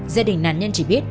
gia đình nạn nhân chỉ biết